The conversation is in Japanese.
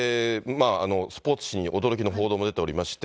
スポーツ紙に驚きの報道も出ておりまして。